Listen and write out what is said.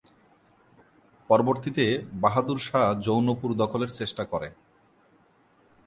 পরবর্তীতে বাহাদুর শাহ জৌনপুর দখলের চেষ্টা করে।